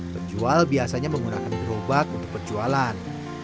penjual biasanya menggunakan gerobak untuk perjualan